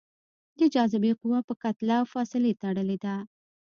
د جاذبې قوه په کتله او فاصلې تړلې ده.